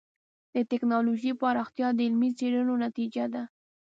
د ټکنالوجۍ پراختیا د علمي څېړنو نتیجه ده.